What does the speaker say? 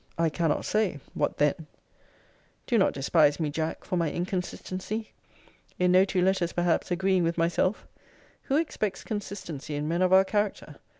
I cannot say, What then Do not despise me, Jack, for my inconsistency in no two letters perhaps agreeing with myself Who expects consistency in men of our character?